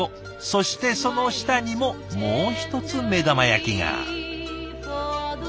そしてその下にももう一つ目玉焼きが。